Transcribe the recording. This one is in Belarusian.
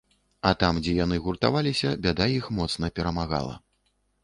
А там, дзе яны гуртаваліся, бяда іх моцна перамагала.